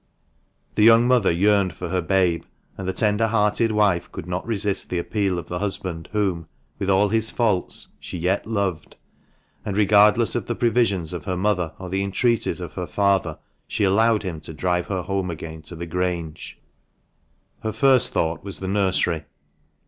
The young mother yearned for her babe, the tender hearted wife could not resist the appeal of the husband whom, with all his faults, she yet loved ; and, regardless of the previsions of her mother, or the entreaties of her father, she allowed him to drive her home again to the Grange. Her first thought was the nursery.